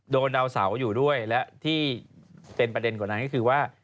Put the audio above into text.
ดาวเสาอยู่ด้วยและที่เป็นประเด็นกว่านั้นก็คือว่า